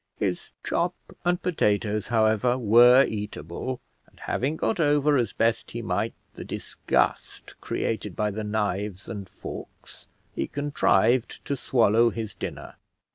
His chop and potatoes, however, were eatable, and having got over as best he might the disgust created by the knives and forks, he contrived to swallow his dinner.